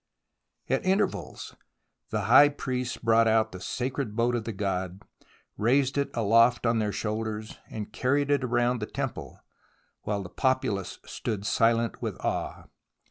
At intervals the high priests brought out the sacred boat of the god, raised it aloft on their shoulders, and carried it around the temple, while the populace stood silent with awe.